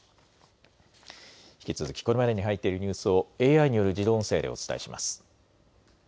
引き続きこれまでに入っているニュースをＡＩによる自動音声でお伝えします。